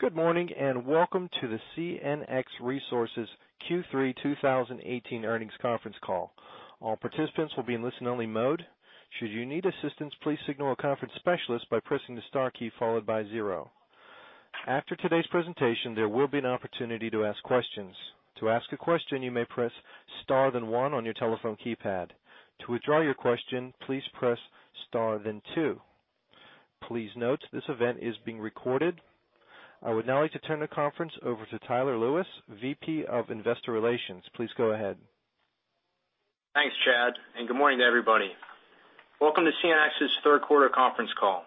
Good morning, welcome to the CNX Resources Q3 2018 earnings conference call. All participants will be in listen-only mode. Should you need assistance, please signal a conference specialist by pressing the star key, followed by zero. After today's presentation, there will be an opportunity to ask questions. To ask a question, you may press star, then one on your telephone keypad. To withdraw your question, please press star, then two. Please note, this event is being recorded. I would now like to turn the conference over to Tyler Lewis, Vice President of Investor Relations. Please go ahead. Thanks, Chad, good morning to everybody. Welcome to CNX's third quarter conference call.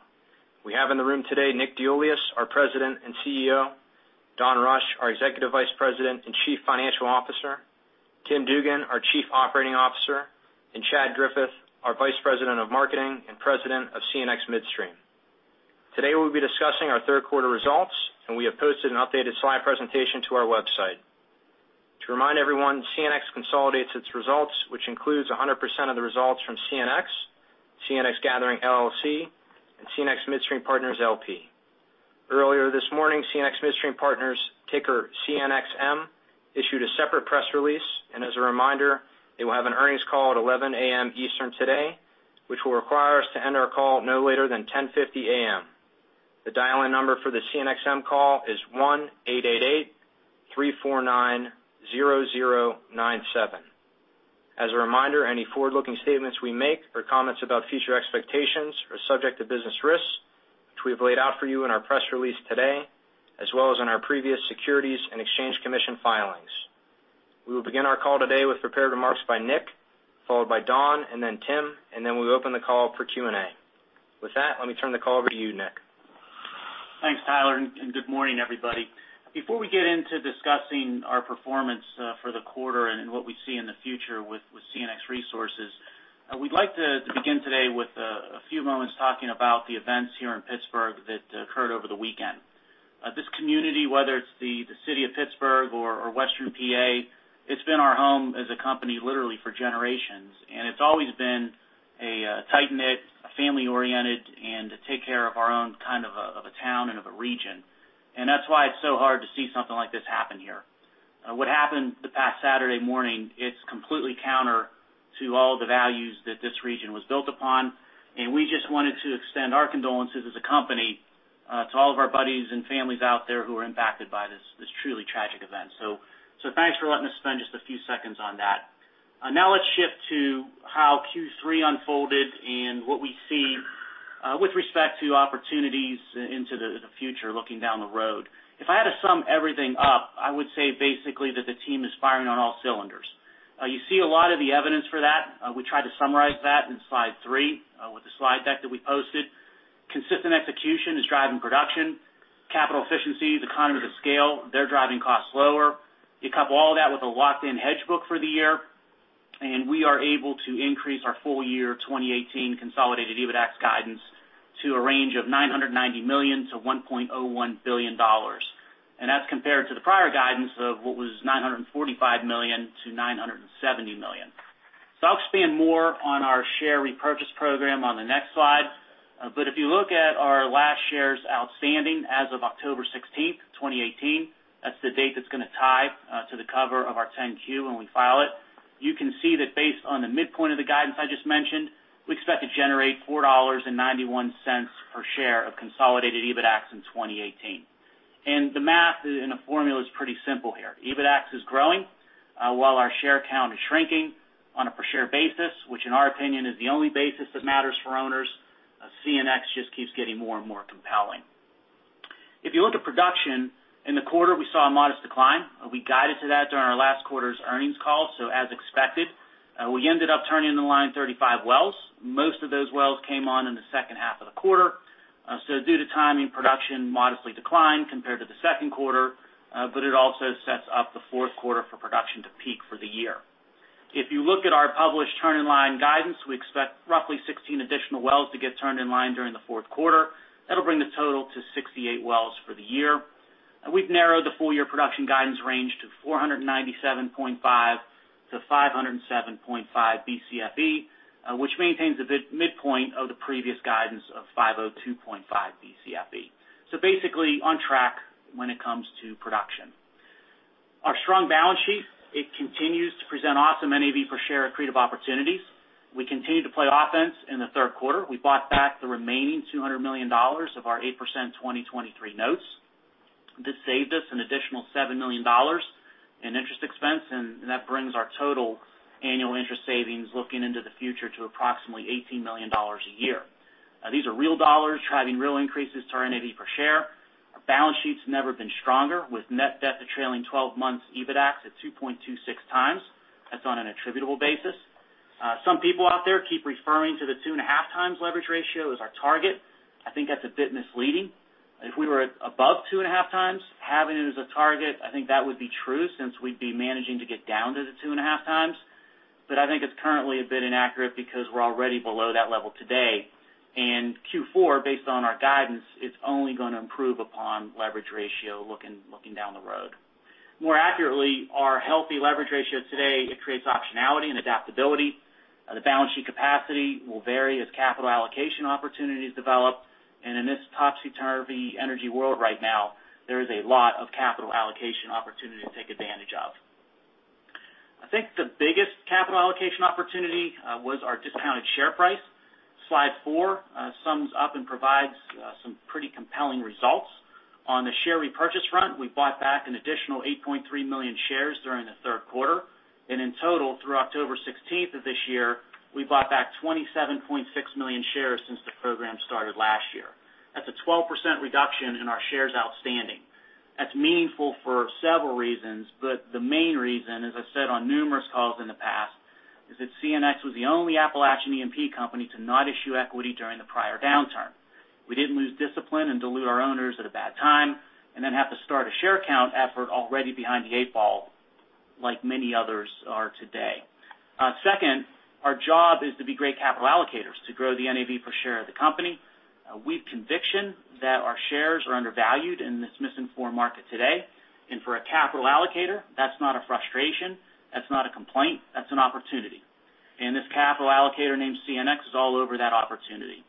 We have in the room today, Nick DeIuliis, our President and CEO, Don Rush, our Executive Vice President and Chief Financial Officer, Tim Dugan, our Chief Operating Officer, and Chad Griffith, our Vice President of Marketing and President of CNX Midstream. Today, we'll be discussing our third quarter results, we have posted an updated slide presentation to our website. To remind everyone, CNX consolidates its results, which includes 100% of the results from CNX Gathering LLC, and CNX Midstream Partners LP. Earlier this morning, CNX Midstream Partners, ticker CNXM, issued a separate press release. As a reminder, they will have an earnings call at 11:00 A.M. Eastern today, which will require us to end our call no later than 10:50 A.M. The dial-in number for the CNXM call is 1-888-349-0097. As a reminder, any forward-looking statements we make or comments about future expectations are subject to business risks, which we have laid out for you in our press release today, as well as in our previous Securities and Exchange Commission filings. We will begin our call today with prepared remarks by Nick, followed by Don, then Tim, then we'll open the call up for Q&A. With that, let me turn the call over to you, Nick. Thanks, Tyler, good morning, everybody. Before we get into discussing our performance for the quarter and what we see in the future with CNX Resources, we'd like to begin today with a few moments talking about the events here in Pittsburgh that occurred over the weekend. This community, whether it's the city of Pittsburgh or Western P.A., it's been our home as a company literally for generations, it's always been a tight-knit, family-oriented, and a take-care-of-our-own kind of a town and of a region. That's why it's so hard to see something like this happen here. What happened the past Saturday morning, it's completely counter to all the values that this region was built upon, we just wanted to extend our condolences as a company to all of our buddies and families out there who were impacted by this truly tragic event. Thanks for letting us spend just a few seconds on that. Let's shift to how Q3 unfolded and what we see with respect to opportunities into the future looking down the road. If I had to sum everything up, I would say basically that the team is firing on all cylinders. You see a lot of the evidence for that. We tried to summarize that in slide three with the slide deck that we posted. Consistent execution is driving production. Capital efficiency, the economies of scale, they're driving costs lower. You couple all that with a locked-in hedge book for the year, we are able to increase our full-year 2018 consolidated EBITDAX guidance to a range of $990 million to $1.01 billion. That's compared to the prior guidance of what was $945 million to $970 million. I'll expand more on our share repurchase program on the next slide. If you look at our last shares outstanding as of October 16, 2018, that's the date that's going to tie to the cover of our 10-Q when we file it. You can see that based on the midpoint of the guidance I just mentioned, we expect to generate $4.91 per share of consolidated EBITDAX in 2018. The math and the formula is pretty simple here. EBITDAX is growing while our share count is shrinking on a per-share basis, which in our opinion is the only basis that matters for owners. CNX just keeps getting more and more compelling. If you look at production, in the quarter, we saw a modest decline. We guided to that during our last quarter's earnings call, as expected. We ended up turning in line 35 wells. Most of those wells came on in the second half of the quarter. Due to timing, production modestly declined compared to the second quarter, it also sets up the fourth quarter for production to peak for the year. If you look at our published turn-in-line guidance, we expect roughly 16 additional wells to get turned in line during the fourth quarter. That'll bring the total to 68 wells for the year. We've narrowed the full-year production guidance range to 497.5-507.5 BcfE, which maintains the midpoint of the previous guidance of 502.5 BcfE. Basically on track when it comes to production. Our strong balance sheet, it continues to present awesome NAV per share accretive opportunities. We continued to play offense in the third quarter. We bought back the remaining $200 million of our 8% 2023 notes. This saved us an additional $7 million in interest expense, that brings our total annual interest savings looking into the future to approximately $18 million a year. These are real dollars driving real increases to our NAV per share. Our balance sheet's never been stronger, with net debt to trailing 12-months EBITDAX at 2.26 times. That's on an attributable basis. Some people out there keep referring to the 2.5 times leverage ratio as our target. I think that's a bit misleading. If we were above 2.5 times, having it as a target, I think that would be true since we'd be managing to get down to the 2.5 times. I think it's currently a bit inaccurate because we're already below that level today. Q4, based on our guidance, is only going to improve upon leverage ratio looking down the road. More accurately, our healthy leverage ratio today, it creates optionality and adaptability. The balance sheet capacity will vary as capital allocation opportunities develop. In this topsy-turvy energy world right now, there is a lot of capital allocation opportunity to take advantage of. I think the biggest capital allocation opportunity was our discounted share price. Slide four sums up and provides some pretty compelling results. On the share repurchase front, we bought back an additional 8.3 million shares during the third quarter. In total, through October 16th of this year, we bought back 27.6 million shares since the program started last year. That's a 12% reduction in our shares outstanding. That's meaningful for several reasons. The main reason, as I said on numerous calls in the past, is that CNX was the only Appalachian E&P company to not issue equity during the prior downturn. We didn't lose discipline and dilute our owners at a bad time and then have to start a share count effort already behind the eight ball like many others are today. Second, our job is to be great capital allocators to grow the NAV per share of the company. We've conviction that our shares are undervalued in this misinformed market today. For a capital allocator, that's not a frustration, that's not a complaint, that's an opportunity. This capital allocator named CNX is all over that opportunity.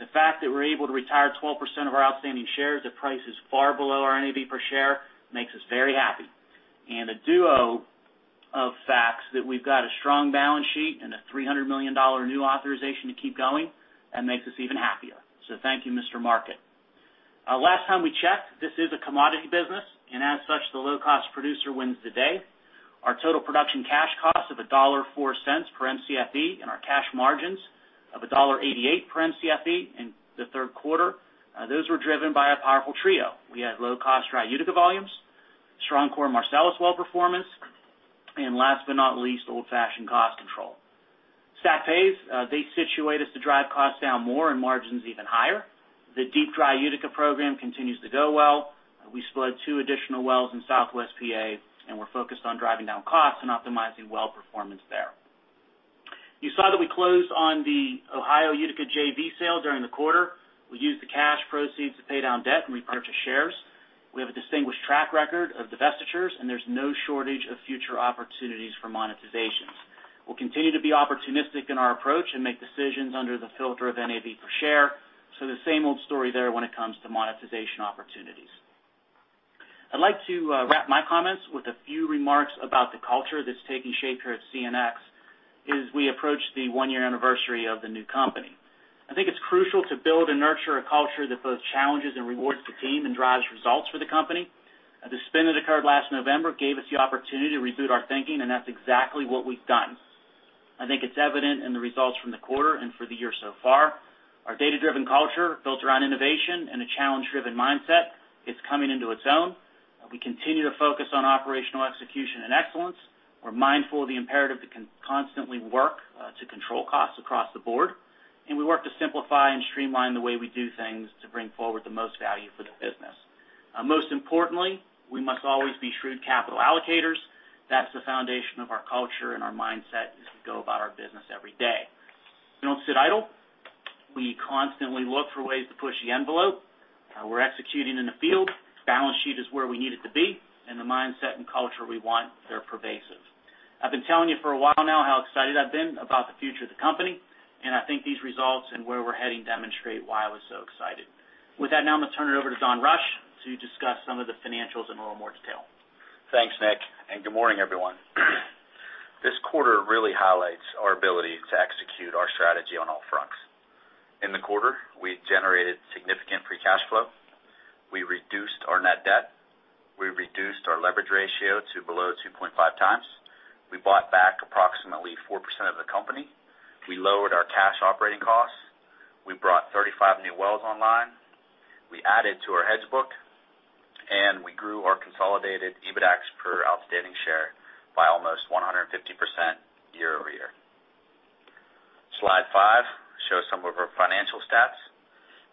The fact that we're able to retire 12% of our outstanding shares at prices far below our NAV per share makes us very happy. A duo of facts that we've got a strong balance sheet and a $300 million new authorization to keep going, that makes us even happier. Thank you, Mr. Market. Last time we checked, this is a commodity business. As such, the low-cost producer wins the day. Our total production cash cost of $1.04 per Mcfe and our cash margins of $1.88 per Mcfe in the third quarter, those were driven by a powerful trio. We had low-cost dry Utica volumes, strong core Marcellus well performance, and last but not least, old-fashioned cost control. Stacked pays, they situate us to drive costs down more and margins even higher. The Deep Dry Utica program continues to go well. We spud two additional wells in Southwest PA and we're focused on driving down costs and optimizing well performance there. You saw that we closed on the Ohio Utica JV sale during the quarter. We used the cash proceeds to pay down debt and repurchase shares. We have a distinguished track record of divestitures. There's no shortage of future opportunities for monetizations. We'll continue to be opportunistic in our approach and make decisions under the filter of NAV per share. The same old story there when it comes to monetization opportunities. I'd like to wrap my comments with a few remarks about the culture that's taking shape here at CNX as we approach the one-year anniversary of the new company. I think it's crucial to build and nurture a culture that both challenges and rewards the team and drives results for the company. The spin that occurred last November gave us the opportunity to reboot our thinking. That's exactly what we've done. I think it's evident in the results from the quarter and for the year so far. Our data-driven culture built around innovation and a challenge-driven mindset is coming into its own. We continue to focus on operational execution and excellence. We're mindful of the imperative to constantly work to control costs across the board. We work to simplify and streamline the way we do things to bring forward the most value for the business. Most importantly, we must always be shrewd capital allocators. That's the foundation of our culture and our mindset as we go about our business every day. We don't sit idle. We constantly look for ways to push the envelope. We're executing in the field. Balance sheet is where we need it to be. The mindset and culture we want, they're pervasive. I've been telling you for a while now how excited I've been about the future of the company. I think these results and where we're heading demonstrate why I was so excited. With that, now I'm going to turn it over to Don Rush to discuss some of the financials in a little more detail. Thanks, Nick. Good morning, everyone. This quarter really highlights our ability to execute our strategy on all fronts. In the quarter, we generated significant free cash flow. We reduced our net debt. We reduced our leverage ratio to below 2.5 times. We bought back approximately 4% of the company. We lowered our cash operating costs. We brought 35 new wells online. We added to our hedge book. We grew our consolidated EBITDAX per outstanding share by almost 150% year-over-year. Slide five shows some of our financial stats.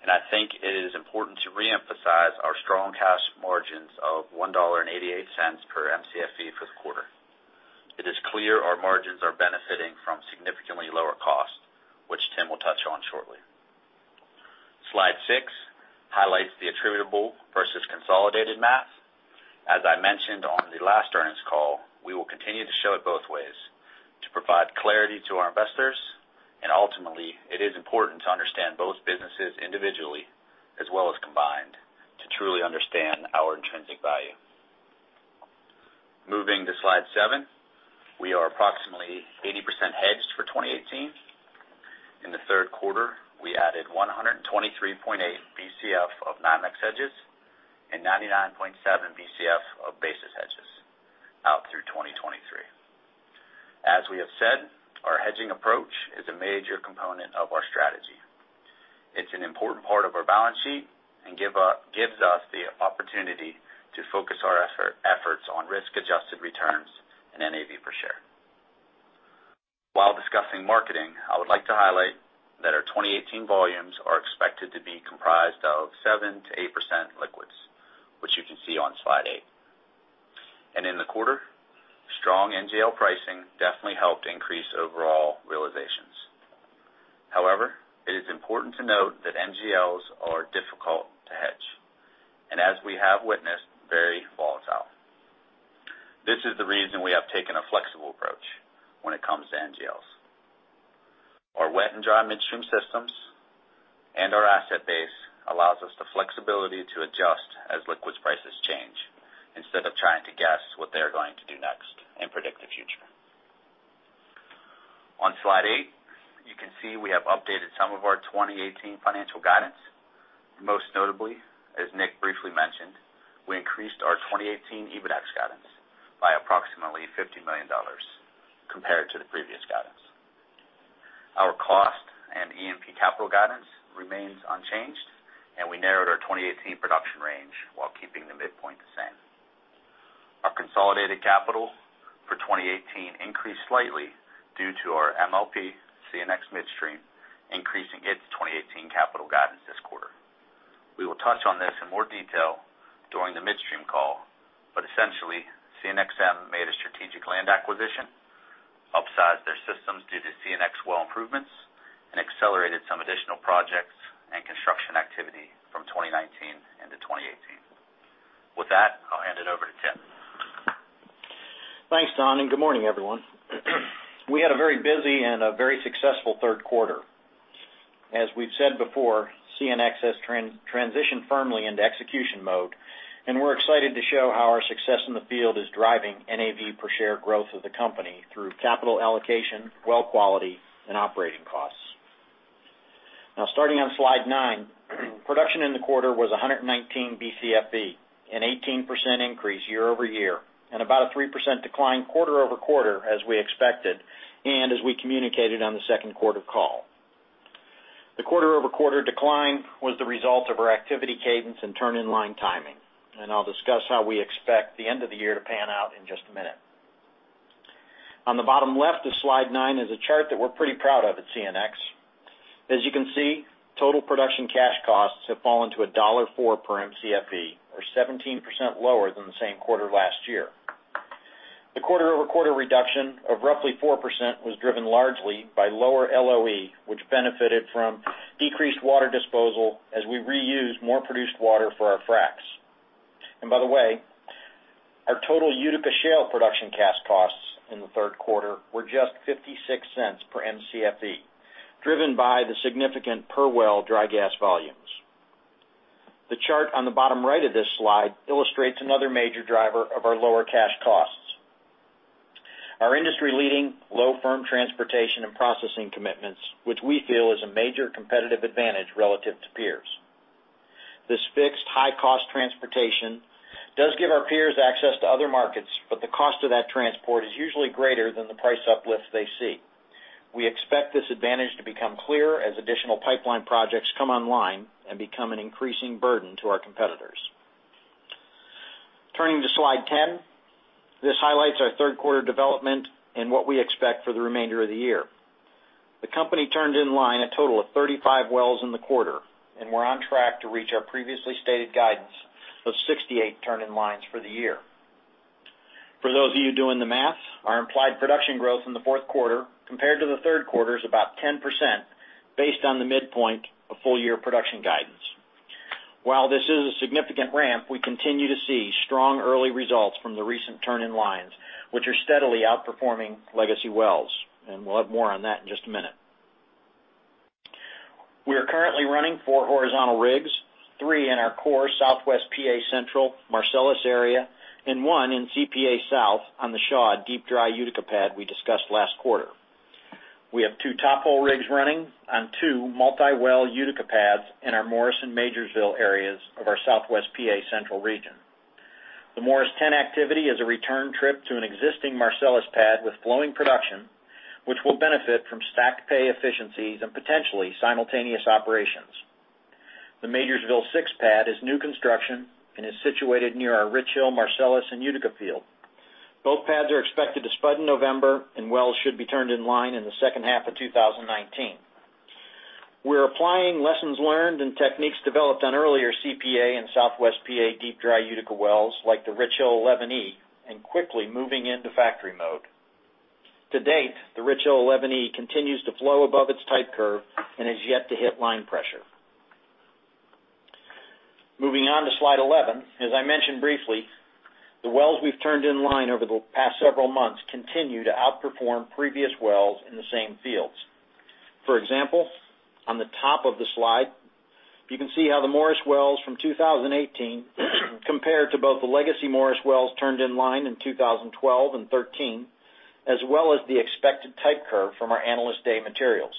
I think it is important to reemphasize our strong cash margins of $1.88 per Mcfe for the quarter. It is clear our margins are benefiting from significantly lower cost, which Tim will touch on shortly. Slide six highlights the attributable versus consolidated math. As I mentioned on the last earnings call, we will continue to show it both ways to provide clarity to our investors. Ultimately, it is important to understand both businesses individually as well as combined to truly understand our intrinsic value. Moving to slide seven, we are approximately 80% hedged for 2018. In the third quarter, we added 123.8 Bcf of NYMEX hedges and 99.7 Bcf of basis hedges out through 2023. As we have said, our hedging approach is a major component of our strategy. It's an important part of our balance sheet and gives us the opportunity to focus our efforts on risk-adjusted returns and NAV per share. While discussing marketing, I would like to highlight that our 2018 volumes are expected to be comprised of 7%-8% liquids, which you can see on slide eight. In the quarter, strong NGL pricing definitely helped increase overall realisations however it is important to note that NGLs are difficult to hedge, and as we have witnessed, very volatile. This is the reason we have taken a flexible approach when it comes to NGLs. Our wet and dry midstream systems and our asset base allows us the flexibility to adjust as liquids prices change, instead of trying to guess what they're going to do next and predict the future. On slide eight, you can see we have updated some of our 2018 financial guidance. Most notably, as Nick briefly mentioned, we increased our 2018 EBITDA guidance by approximately $50 million compared to the previous guidance. Our cost and E&P capital guidance remains unchanged, and we narrowed our 2018 production range while keeping the midpoint the same. Our consolidated capital for 2018 increased slightly due to our MLP, CNX Midstream, increasing its 2018 capital guidance this quarter. We will touch on this in more detail during the midstream call, but essentially, CNXM made a strategic land acquisition, upsized their systems due to CNX well improvements, and accelerated some additional projects and construction activity from 2019 into 2018. With that, I'll hand it over to Tim. Thanks, Don, good morning, everyone. We had a very busy and a very successful third quarter. As we've said before, CNX has transitioned firmly into execution mode, and we're excited to show how our success in the field is driving NAV per share growth of the company through capital allocation, well quality, and operating costs. Starting on slide nine, production in the quarter was 119 BcfE, an 18% increase year-over-year, and about a 3% decline quarter-over-quarter, as we expected and as we communicated on the second quarter call. The quarter-over-quarter decline was the result of our activity cadence and turn-in-line timing. I'll discuss how we expect the end of the year to pan out in just a minute. On the bottom left of slide nine is a chart that we're pretty proud of at CNX. As you can see, total production cash costs have fallen to a $1.04 per Mcfe, or 17% lower than the same quarter last year. The quarter-over-quarter reduction of roughly 4% was driven largely by lower LOE, which benefited from decreased water disposal as we reuse more produced water for our fracs. By the way, our total Utica Shale production cash costs in the third quarter were just $0.56 per Mcfe, driven by the significant per-well dry gas volumes. The chart on the bottom right of this slide illustrates another major driver of our lower cash costs. Our industry-leading low firm transportation and processing commitments, which we feel is a major competitive advantage relative to peers. This fixed high-cost transportation does give our peers access to other markets, but the cost of that transport is usually greater than the price uplift they see. We expect this advantage to become clear as additional pipeline projects come online and become an increasing burden to our competitors. Turning to slide 10, this highlights our third quarter development and what we expect for the remainder of the year. The company turned in line a total of 35 wells in the quarter, and we're on track to reach our previously stated guidance of 68 turn-in-lines for the year. For those of you doing the math, our implied production growth in the fourth quarter compared to the third quarter is about 10% based on the midpoint of full-year production guidance. While this is a significant ramp, we continue to see strong early results from the recent turn-in-lines, which are steadily outperforming legacy wells. We'll have more on that in just a minute. We are currently running four horizontal rigs, three in our core Southwest P.A. Central Marcellus area and one in CPA South on the Shaw Deep Dry Utica pad we discussed last quarter. We have two top hole rigs running on two multi-well Utica pads in our Morris-Majorsville areas of our Southwest P.A. Central region. The Morris 10 activity is a return trip to an existing Marcellus pad with flowing production, which will benefit from stacked pay efficiencies and potentially simultaneous operations. The Majorsville 6 pad is new construction and is situated near our Richhill Marcellus and Utica field. Both pads are expected to spud in November and wells should be turned in line in the second half of 2019. We're applying lessons learned and techniques developed on earlier CPA and Southwest P.A. Deep Dry Utica wells like the Richhill 11E, quickly moving into factory mode. To date, the Richhill 11E continues to flow above its type curve and is yet to hit line pressure. Moving on to slide 11, as I mentioned briefly, the wells we've turned in line over the past several months continue to outperform previous wells in the same fields. For example, on the top of the slide, you can see how the Morris wells from 2018 compare to both the legacy Morris wells turned in line in 2012 and 2013, as well as the expected type curve from our Analyst Day materials.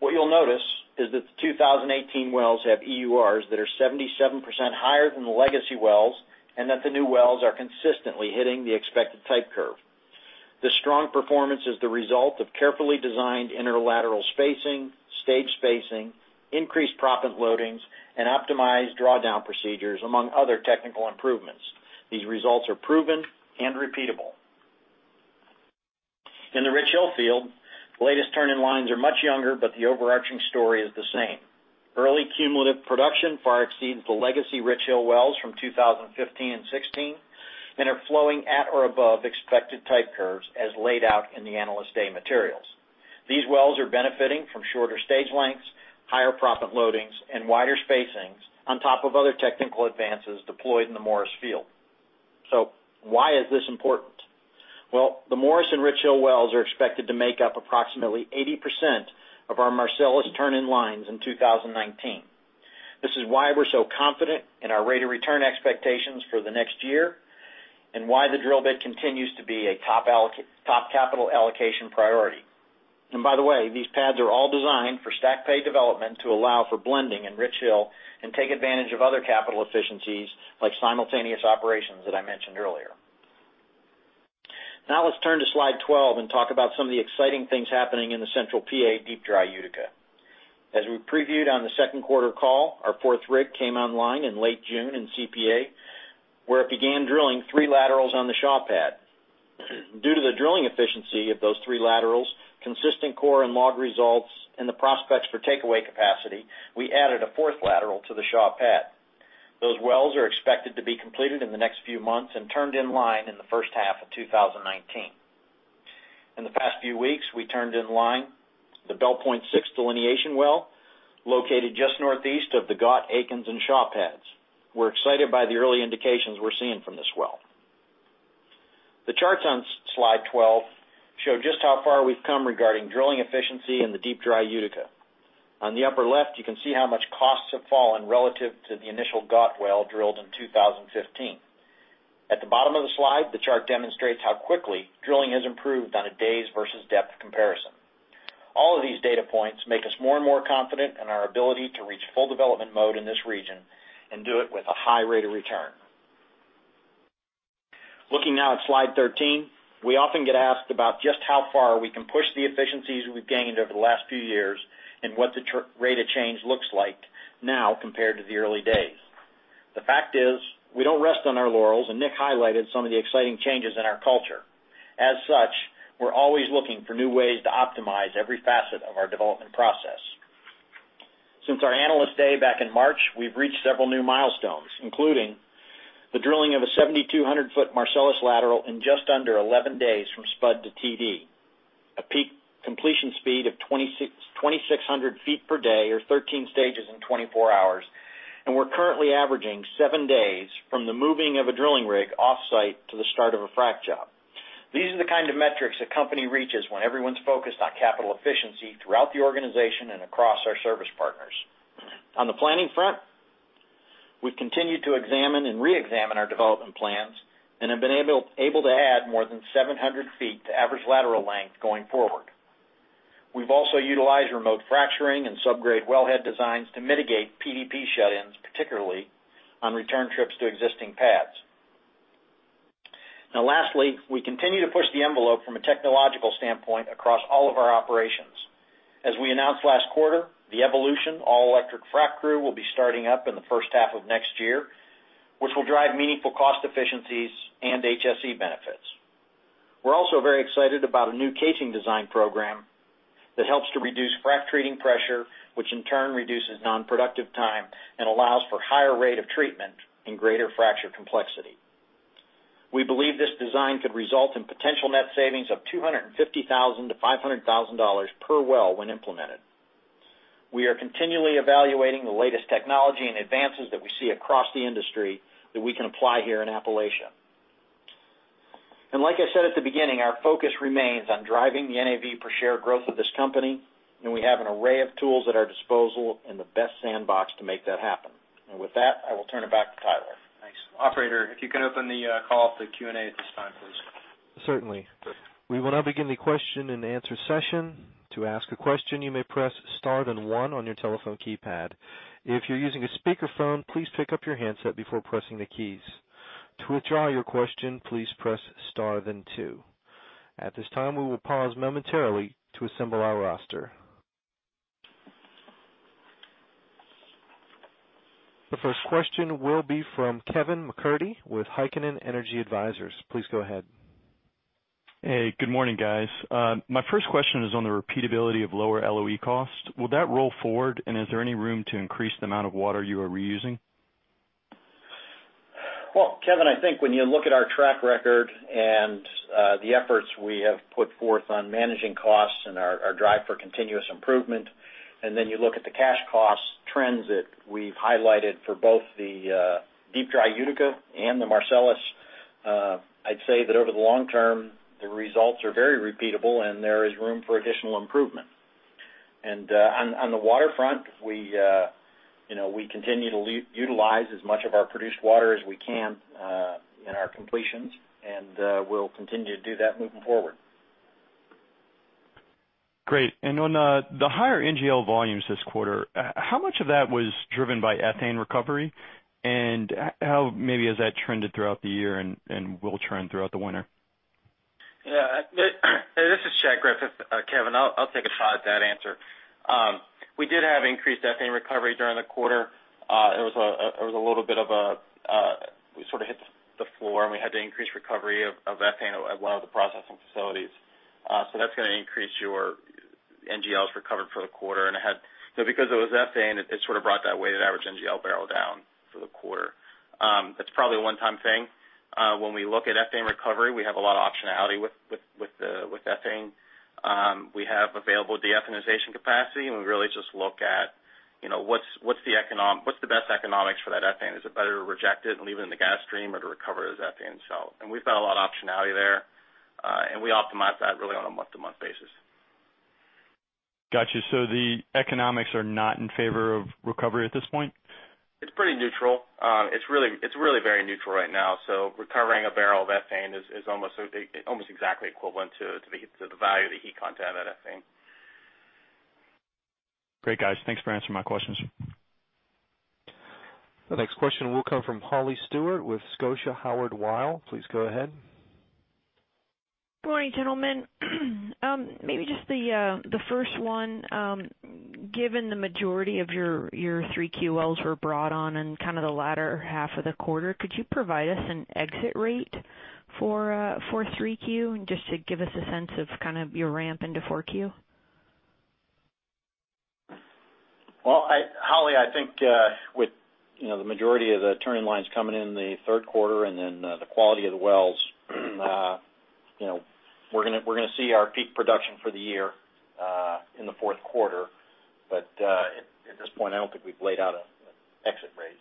What you'll notice is that the 2018 wells have EURs that are 77% higher than the legacy wells, that the new wells are consistently hitting the expected type curve. This strong performance is the result of carefully designed inner lateral spacing, stage spacing, increased proppant loadings, and optimized drawdown procedures, among other technical improvements. These results are proven and repeatable. In the Richhill field, the latest turn-in-lines are much younger, but the overarching story is the same. Early EUR exceeds the legacy Richhill wells from 2015 and 2016 and are flowing at or above expected type curves as laid out in the Analyst Day materials. These wells are benefiting from shorter stage lengths, higher proppant loadings, and wider spacings on top of other technical advances deployed in the Morris Field. Why is this important? The Morris and Richhill wells are expected to make up approximately 80% of our Marcellus turn-in-lines in 2019. This is why we're so confident in our rate of return expectations for the next year, why the drill bit continues to be a top capital allocation priority. By the way, these pads are all designed for stack pay development to allow for blending in Richhill and take advantage of other capital efficiencies like simultaneous operations that I mentioned earlier. Let's turn to slide 12 and talk about some of the exciting things happening in the central PA Deep Dry Utica. As we previewed on the second quarter call, our fourth rig came online in late June in CPA, where it began drilling three laterals on the Shaw pad. Due to the drilling efficiency of those three laterals, consistent core and log results, and the prospects for takeaway capacity, we added a fourth lateral to the Shaw pad. Those wells are expected to be completed in the next few months and turned in line in the first half of 2019. In the past few weeks, we turned in line the Bell Point 6 delineation well, located just northeast of the Gott, Aikens, and Shaw pads. We're excited by the early indications we're seeing from this well. The charts on slide 12 show just how far we've come regarding drilling efficiency in the Deep Dry Utica. On the upper left, you can see how much costs have fallen relative to the initial Gott well drilled in 2015. At the bottom of the slide, the chart demonstrates how quickly drilling has improved on a days versus depth comparison. All of these data points make us more and more confident in our ability to reach full development mode in this region and do it with a high rate of return. Looking now at slide 13, we often get asked about just how far we can push the efficiencies we've gained over the last few years and what the rate of change looks like now compared to the early days. The fact is, we don't rest on our laurels, and Nick highlighted some of the exciting changes in our culture. As such, we're always looking for new ways to optimize every facet of our development process. Since our Analyst Day back in March, we've reached several new milestones, including the drilling of a 7,200-foot Marcellus lateral in just under 11 days from spud to TD, a peak completion speed of 2,600 feet per day or 13 stages in 24 hours, and we're currently averaging seven days from the moving of a drilling rig off-site to the start of a frac job. These are the kind of metrics a company reaches when everyone's focused on capital efficiency throughout the organization and across our service partners. On the planning front, we've continued to examine and reexamine our development plans and have been able to add more than 700 feet to average lateral length going forward. We've also utilized remote fracturing and sub-grade wellhead designs to mitigate PDP shut-ins, particularly on return trips to existing pads. Lastly, we continue to push the envelope from a technological standpoint across all of our operations. As we announced last quarter, the Evolution all-electric frac crew will be starting up in the first half of next year, which will drive meaningful cost efficiencies and HSE benefits. We're also very excited about a new casing design program that helps to reduce frac treating pressure, which in turn reduces non-productive time and allows for higher rate of treatment and greater fracture complexity. We believe this design could result in potential net savings of $250,000-$500,000 per well when implemented. We are continually evaluating the latest technology and advances that we see across the industry that we can apply here in Appalachia. Like I said at the beginning, our focus remains on driving the NAV per share growth of this company. We have an array of tools at our disposal and the best sandbox to make that happen. With that, I will turn it back to Tyler. Thanks. Operator, if you could open the call up to Q&A at this time, please. Certainly. We will now begin the question and answer session. To ask a question, you may press star then one on your telephone keypad. If you're using a speakerphone, please pick up your handset before pressing the keys. To withdraw your question, please press star then two. At this time, we will pause momentarily to assemble our roster. The first question will be from Kevin McCurdy with Heikkinen Energy Advisors. Please go ahead. Hey, good morning, guys. My first question is on the repeatability of lower LOE cost. Will that roll forward? Is there any room to increase the amount of water you are reusing? Well, Kevin, I think when you look at our track record and the efforts we have put forth on managing costs and our drive for continuous improvement, then you look at the cash cost trends that we've highlighted for both the Deep Dry Utica and the Marcellus, I'd say that over the long term, the results are very repeatable, and there is room for additional improvement. On the waterfront, we continue to utilize as much of our produced water as we can in our completions, and we'll continue to do that moving forward. Great. On the higher NGL volumes this quarter, how much of that was driven by ethane recovery, and how maybe has that trended throughout the year and will trend throughout the winter? Yeah. This is Chad Griffith. Kevin, I'll take a shot at that answer. We did have increased ethane recovery during the quarter. It was a little bit of We had to increase recovery of ethane at one of the processing facilities. That's going to increase your NGLs recovered for the quarter. Because it was ethane, it sort of brought that weighted average NGL barrel down for the quarter. It's probably a one-time thing. When we look at ethane recovery, we have a lot of optionality with ethane. We have available de-ethanization capacity, and we really just look at what's the best economics for that ethane. Is it better to reject it and leave it in the gas stream or to recover it as ethane? We've got a lot of optionality there, and we optimize that really on a month-to-month basis. Got you. The economics are not in favor of recovery at this point? It's pretty neutral. It's really very neutral right now. Recovering a barrel of ethane is almost exactly equivalent to the value of the heat content of that ethane. Great, guys. Thanks for answering my questions. The next question will come from Holly Stewart with Scotia Howard Weil. Please go ahead. Good morning, gentlemen. Maybe just the first one. Given the majority of your 3Q wells were brought on in the latter half of the quarter, could you provide us an exit rate for 3Q, just to give us a sense of your ramp into 4Q? Well, Holly, I think with the majority of the turning lines coming in the third quarter and then the quality of the wells, we're going to see our peak production for the year in the fourth quarter. At this point, I don't think we've laid out an exit rate.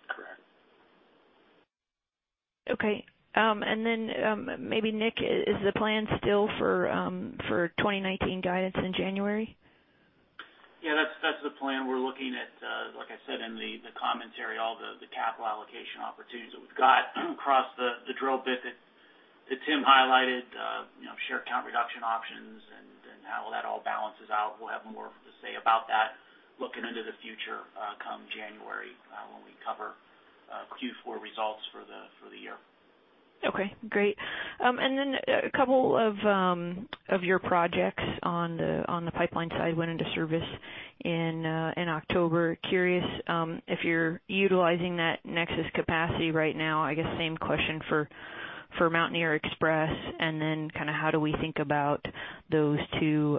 Okay. Maybe Nick, is the plan still for 2019 guidance in January? Yeah, that's the plan. We're looking at, like I said in the commentary, all the capital allocation opportunities that we've got across the drill bit that Tim highlighted, share count reduction options, how that all balances out. We'll have more to say about that looking into the future come January, when we cover Q4 results for the year. Okay. Great. A couple of your projects on the pipeline side went into service in October. Curious if you're utilizing that NEXUS capacity right now. I guess same question for Mountaineer XPress, how do we think about those two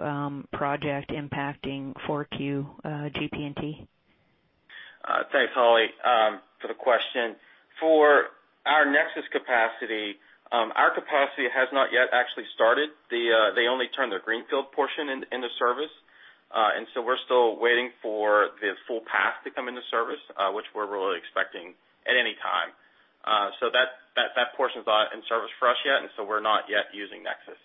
project impacting 4Q GP&T? Thanks, Holly, for the question. For our NEXUS capacity, our capacity has not yet actually started. They only turned their greenfield portion into service. We're still waiting for the full pack to come into service, which we're really expecting at any time. That portion's not in service for us yet, we're not yet using NEXUS.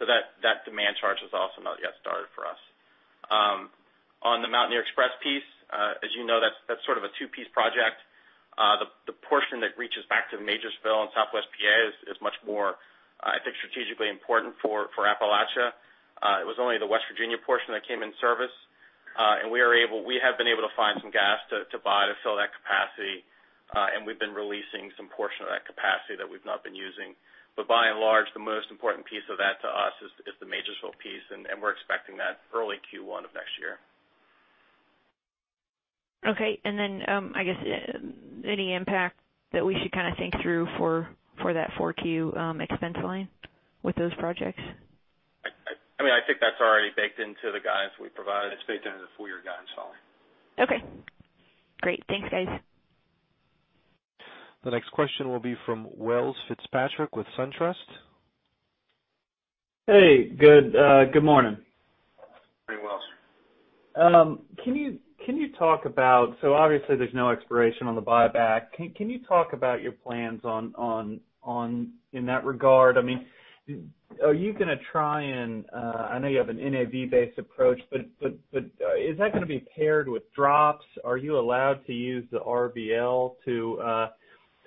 That demand charge is also not yet started for us. On the Mountaineer XPress piece, as you know, that's sort of a two-piece project. The portion that reaches back to Majorsville in Southwest P.A. is much more, I think, strategically important for Appalachia. It was only the West Virginia portion that came in service. We have been able to find some gas to buy to fill that capacity, and we've been releasing some portion of that capacity that we've not been using. By and large, the most important piece of that to us is the Majorsville piece, and we're expecting that early Q1 of next year. Okay. I guess, any impact that we should think through for that 4Q expense line with those projects? I think that's already baked into the guidance we provided. It's baked into the full-year guidance, Holly. Okay. Great. Thanks, guys. The next question will be from Welles Fitzpatrick with SunTrust. Hey. Good morning. Morning, Welles. Obviously there's no expiration on the buyback. Can you talk about your plans in that regard? Are you going to try and I know you have an NAV-based approach, but is that going to be paired with drops? Are you allowed to use the RBL to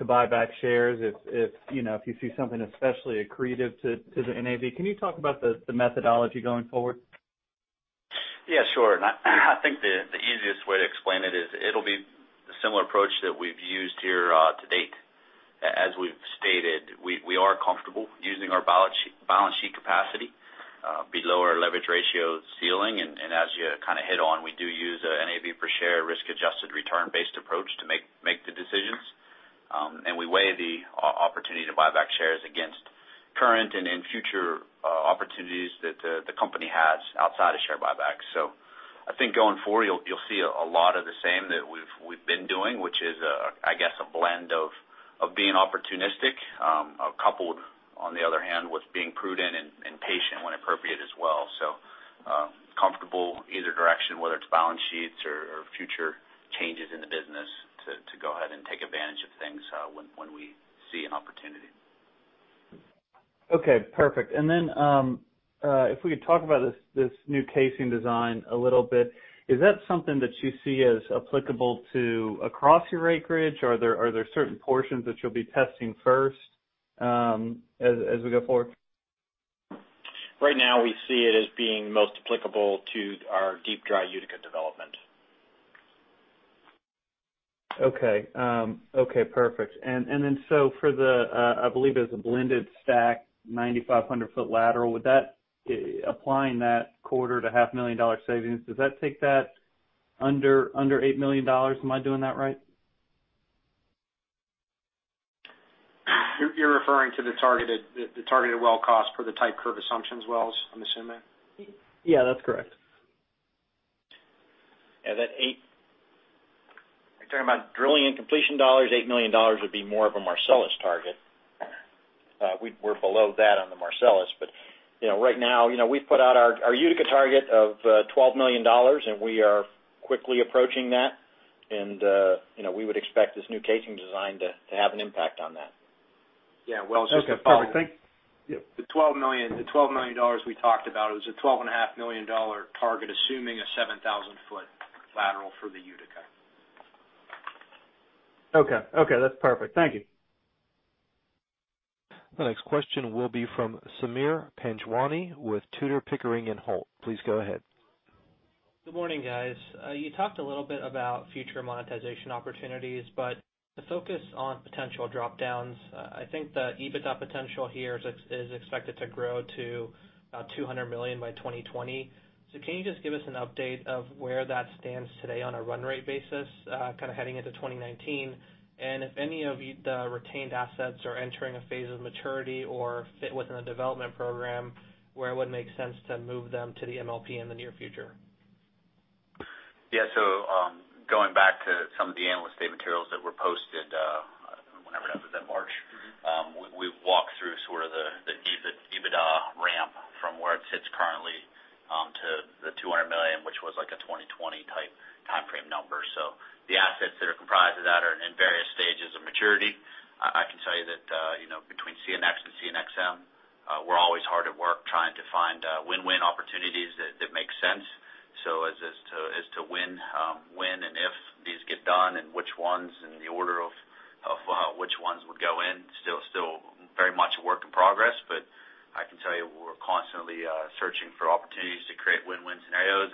buy back shares if you see something especially accretive to the NAV? Can you talk about the methodology going forward? Yeah, sure. I think the easiest way to explain it is, it'll be a similar approach that we've used here to date. As we've stated, we are comfortable using our balance sheet capacity below our leverage ratio ceiling. As you hit on, we do use a NAV per share risk-adjusted return-based approach to make the decisions. We weigh the opportunity to buy back shares against current and in future opportunities that the company has outside of share buybacks. I think going forward, you'll see a lot of the same that we've been doing, which is, I guess, a blend of being opportunistic, coupled, on the other hand, with being prudent and patient when appropriate as well. Comfortable either direction, whether it's balance sheets or future changes in the business to go ahead and take advantage of things when we see an opportunity. Okay, perfect. Then, if we could talk about this new casing design a little bit. Is that something that you see as applicable to across your acreage, or are there certain portions that you'll be testing first as we go forward? Right now, we see it as being most applicable to our Deep Dry Utica development. For the, I believe it's a blended stack, 9,500-foot lateral, applying that quarter to half a million dollar savings, does that take that under $8 million? Am I doing that right? You're referring to the targeted well cost for the type curve assumptions wells, I'm assuming? Yeah, that's correct. Yeah, that eight You're talking about drilling and completion dollars, $8 million would be more of a Marcellus target. We're below that on the Marcellus. Right now, we've put out our Utica target of $12 million, we are quickly approaching that. We would expect this new casing design to have an impact on that. Yeah. Well, it's just a follow-up. That's perfect. Thank you. Yeah. The $12 million we talked about, it was a $12.5 million target, assuming a 7,000-foot lateral for the Utica. Okay. That's perfect. Thank you. The next question will be from Sameer Panjwani with Tudor, Pickering, and Holt. Please go ahead. Good morning, guys. You talked a little bit about future monetization opportunities, the focus on potential drop-downs, I think the EBITDA potential here is expected to grow to about $200 million by 2020. Can you just give us an update of where that stands today on a run rate basis, heading into 2019? If any of the retained assets are entering a phase of maturity or fit within the development program, where it would make sense to move them to the MLP in the near future? Yeah. Going back to some of the analyst day materials that were posted, whenever that was, in March. We walked through sort of the EBITDA ramp from where it sits currently to the $200 million, which was like a 2020 type timeframe number. The assets that are comprised of that are in various stages of maturity. I can tell you that between CNX and CNXM, we're always hard at work trying to find win-win opportunities that make sense. As to when and if these get done and which ones, and the order of which ones would go in, still very much a work in progress. I can tell you we're constantly searching for opportunities to create win-win scenarios.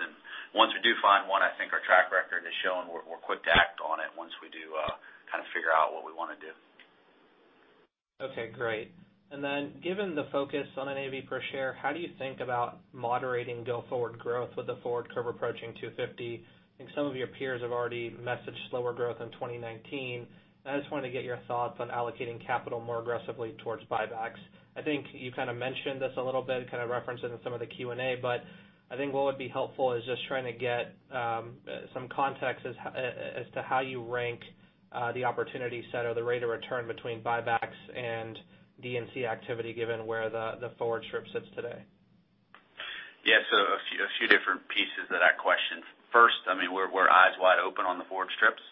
Once we do find one, I think our track record is showing we're quick to act on it once we do figure out what we want to do. Okay, great. Given the focus on the NAV per share, how do you think about moderating go-forward growth with the forward curve approaching $250? I think some of your peers have already messaged slower growth in 2019. I just wanted to get your thoughts on allocating capital more aggressively towards buybacks. I think you mentioned this a little bit, kind of referenced it in some of the Q&A, but I think what would be helpful is just trying to get some context as to how you rank the opportunity set or the rate of return between buybacks and D&C activity, given where the forward strip sits today. Yeah. A few different pieces to that question. First, we're eyes wide open on the forward strips.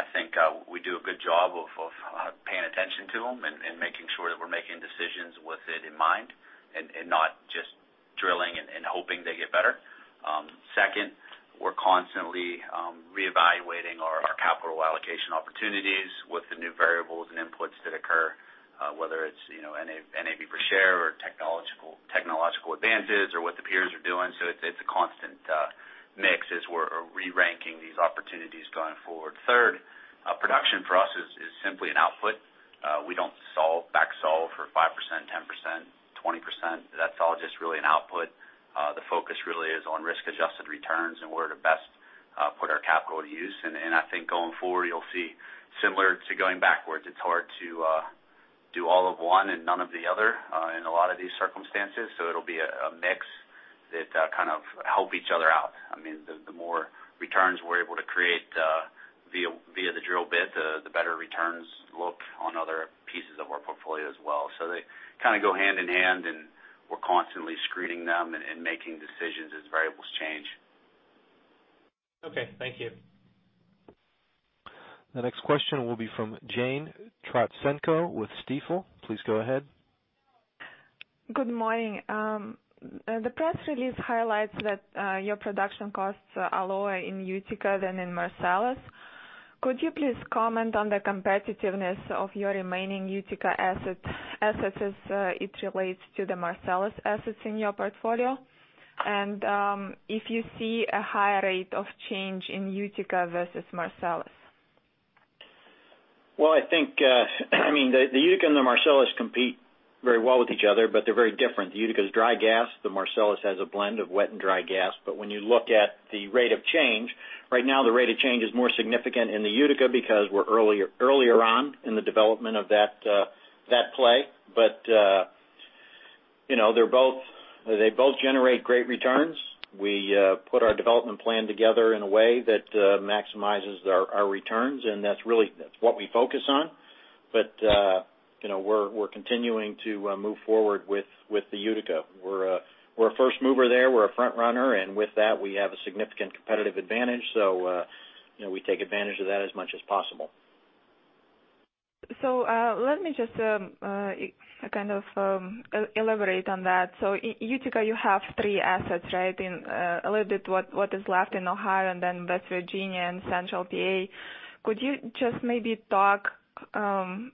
I think we do a good job of paying attention to them and making sure that we're making decisions with it in mind, and not just drilling and hoping they get better. Second, we're constantly reevaluating our capital allocation opportunities with the new variables and inputs that occur, whether it's NAV per share or technological advances or what the peers are doing. It's a constant mix as we're re-ranking these opportunities going forward. Third, production for us is simply an output. We don't back solve for 5%, 10%, 20%. That's all just really an output. The focus really is on risk-adjusted returns and where to best put our capital to use. I think going forward, you'll see similar to going backwards. It's hard to do all of one and none of the other in a lot of these circumstances. It'll be a mix that kind of help each other out. The more returns we're able to create via the drill bit, the better returns look on other pieces of our portfolio as well. They go hand in hand, we're constantly screening them and making decisions as variables change. Okay. Thank you. The next question will be from Yevgeniya Trotsenko with Stifel. Please go ahead. Good morning. The press release highlights that your production costs are lower in Utica than in Marcellus. Could you please comment on the competitiveness of your remaining Utica assets as it relates to the Marcellus assets in your portfolio? If you see a higher rate of change in Utica versus Marcellus. Well, I think the Utica and the Marcellus compete very well with each other. They're very different. Utica's dry gas. The Marcellus has a blend of wet and dry gas. When you look at the rate of change, right now, the rate of change is more significant in the Utica because we're earlier on in the development of that play. They both generate great returns. We put our development plan together in a way that maximizes our returns, that's really what we focus on. We're continuing to move forward with the Utica. We're a first mover there. We're a front runner. With that, we have a significant competitive advantage. We take advantage of that as much as possible. Let me just elaborate on that. Utica, you have three assets, right? A little bit what is left in Ohio and then West Virginia and Central PA. Could you just maybe talk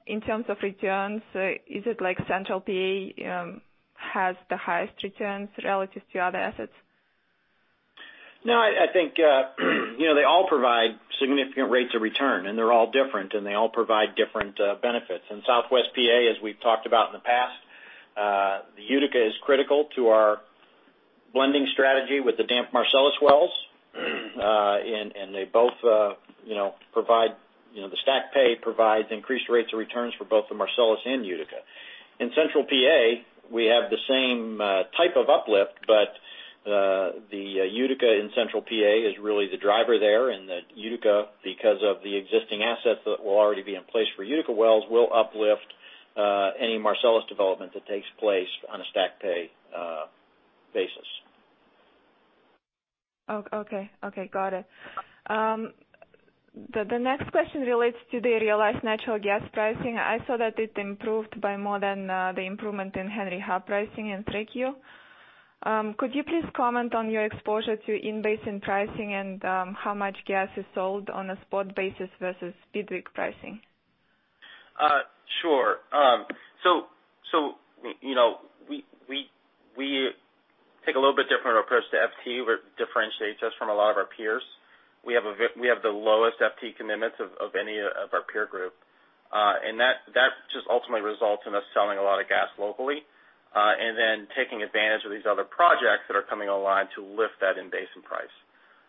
in terms of returns? Is it like Central PA has the highest returns relative to other assets? I think they all provide significant rates of return, and they're all different, and they all provide different benefits. In Southwest PA, as we've talked about in the past The Utica is critical to our blending strategy with the damp Marcellus wells. The stack pay provides increased rates of returns for both the Marcellus and Utica. In Central PA, we have the same type of uplift, but the Utica in Central PA is really the driver there. The Utica, because of the existing assets that will already be in place for Utica Wells, will uplift any Marcellus development that takes place on a stack pay basis. Okay. Got it. The next question relates to the realized natural gas pricing. I saw that it improved by more than the improvement in Henry Hub pricing in 3Q. Could you please comment on your exposure to in-basin pricing and how much gas is sold on a spot basis versus bid week pricing? Sure. We take a little bit different approach to FT, which differentiates us from a lot of our peers. We have the lowest FT commitments of our peer group. That just ultimately results in us selling a lot of gas locally, and then taking advantage of these other projects that are coming online to lift that in-basin price.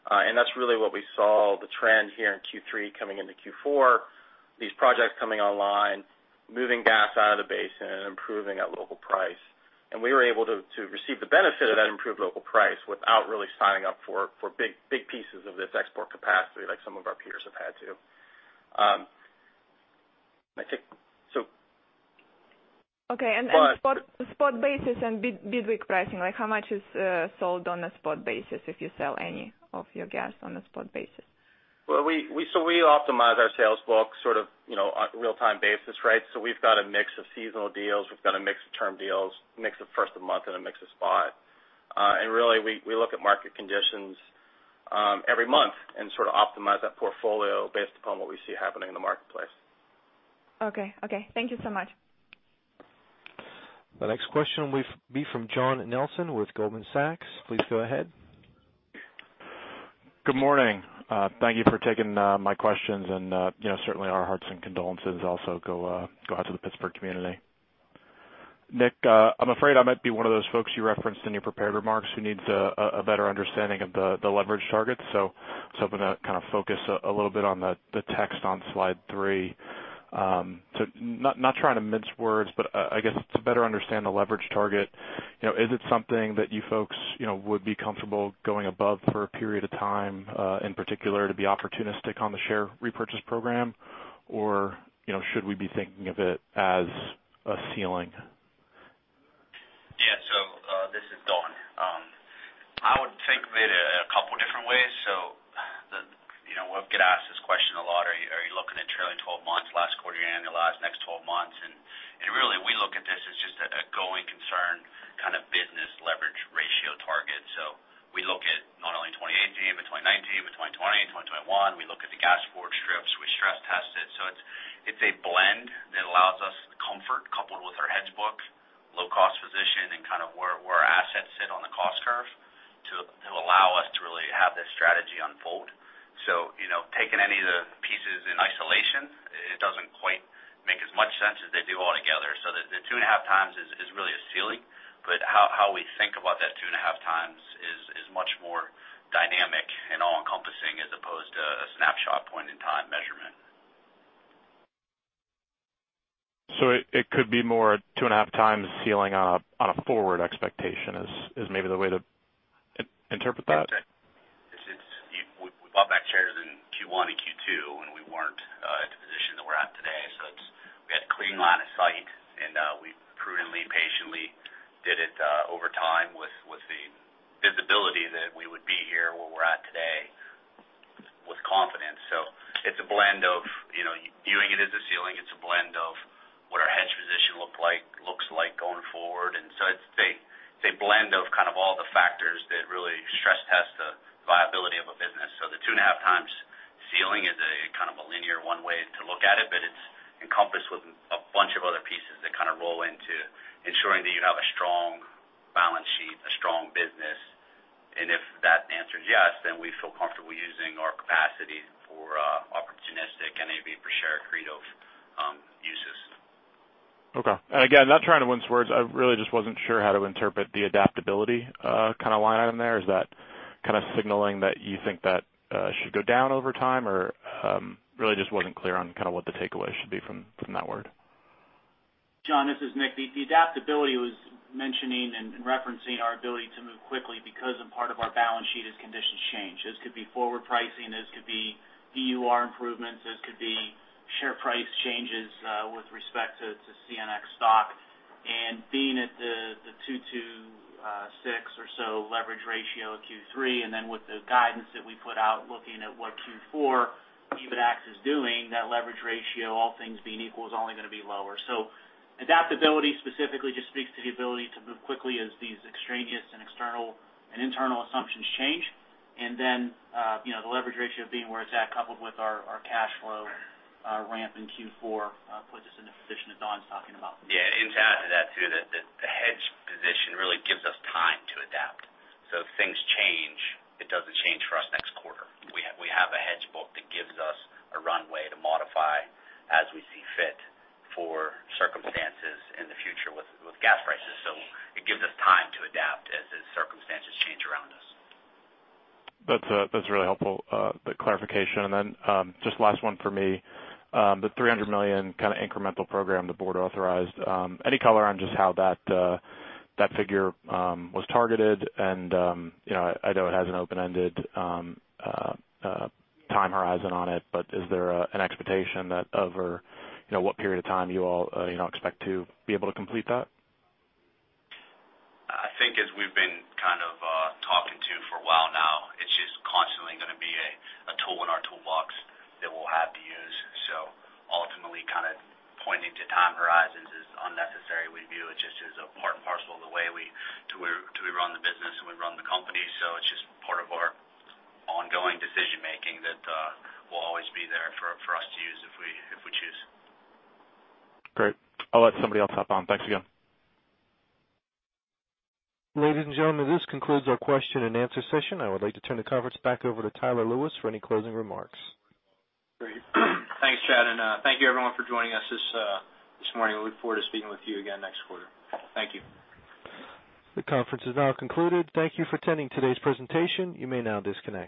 That's really what we saw the trend here in Q3 coming into Q4, these projects coming online, moving gas out of the basin, and improving that local price. We were able to receive the benefit of that improved local price without really signing up for big pieces of this export capacity like some of our peers have had to. Okay, spot basis and bid week pricing, how much is sold on a spot basis if you sell any of your gas on a spot basis? We optimize our sales book sort of on a real-time basis, right? We've got a mix of seasonal deals, we've got a mix of term deals, mix of first of month, and a mix of spot. Really, we look at market conditions every month and sort of optimize that portfolio based upon what we see happening in the marketplace. Okay. Thank you so much. The next question will be from John Nelson with Goldman Sachs. Please go ahead. Good morning. Thank you for taking my questions, certainly our hearts and condolences also go out to the Pittsburgh community. Nick, I'm afraid I might be one of those folks you referenced in your prepared remarks who needs a better understanding of the leverage targets. I was hoping to kind of focus a little bit on the text on slide three. Not trying to mince words, but I guess to better understand the leverage target, is it something that you folks would be comfortable going above for a period of time, in particular to be opportunistic on the share repurchase program? Should we be thinking of it as a ceiling? Yeah. This is Don. I would think of it a couple different ways. We get asked this question a lot. Are you looking at trailing 12 months, last quarter annual, next 12 months? Really we look at this as just a going concern kind of business leverage ratio target. We look at not only 2018, but 2019, but 2020, 2021. We look at the gas forward strips. We stress test it. It's a blend that allows us the comfort coupled with our hedge book, low-cost position, and kind of where our assets sit on the cost curve to allow us to really have this strategy unfold. Taking any of the pieces in isolation, it doesn't quite make as much sense as they do all together. The two and a half times is really a ceiling. How we think about that two and a half times is much more dynamic and all-encompassing as opposed to a snapshot point in time measurement. It could be more two and a half times ceiling on a forward expectation is maybe the way to interpret that? We bought back shares in Q1 and Q2 when we weren't at the position that we're at today. We had clean line of sight, and we prudently, patiently did it over time with the visibility that we would be here where we're at today with confidence. It's a blend of viewing it as a ceiling. It's a blend of what our hedge position looks like going forward. It's a blend of all the factors that really stress tests the viability of a business. The two and a half times ceiling is a kind of a linear one way to look at it, but it's encompassed with a bunch of other pieces that kind of roll into ensuring that you have a strong balance sheet, a strong business. If that answer is yes, then we feel comfortable using our capacity for opportunistic NAV per share credo uses. Okay. Again, not trying to mince words. I really just wasn't sure how to interpret the adaptability kind of line item there. Is that kind of signaling that you think that should go down over time? Really just wasn't clear on what the takeaway should be from that word. John, this is Nick. The adaptability was mentioning and referencing our ability to move quickly because a part of our balance sheet is conditions change. This could be forward pricing, this could be EUR improvements, this could be share price changes with respect to CNX stock. Being at the 2 to 6 or so leverage ratio Q3, then with the guidance that we put out looking at what Q4 EBITDAX is doing, that leverage ratio, all things being equal, is only going to be lower. Adaptability specifically just speaks to the ability to move quickly as these extraneous and external and internal assumptions change. The leverage ratio being where it's at coupled with our cash flow ramp in Q4 puts us in the position that Don's talking about. Yeah, to add to that too, the hedge position really gives us time to adapt. If things change, it doesn't change for us next quarter. We have a hedge book that gives us a runway to modify as we see fit for circumstances in the future with gas prices. It gives us time to adapt as circumstances change around us. That's really helpful, the clarification. Just last one for me. The $300 million kind of incremental program the board authorized. Any color on just how that figure was targeted, and I know it has an open-ended time horizon on it, but is there an expectation that over what period of time you all expect to be able to complete that? I think as we've been kind of talking to for a while now, it's just constantly going to be a tool in our toolbox that we'll have to use. Ultimately, kind of pointing to time horizons is unnecessary. We view it just as a part and parcel of the way to run the business and we run the company. It's just part of our ongoing decision-making that will always be there for us to use if we choose. Great. I'll let somebody else hop on. Thanks again. Ladies and gentlemen, this concludes our question and answer session. I would like to turn the conference back over to Tyler Lewis for any closing remarks. Great. Thanks, Chad, and thank you everyone for joining us this morning. We look forward to speaking with you again next quarter. Thank you. The conference is now concluded. Thank you for attending today's presentation. You may now disconnect.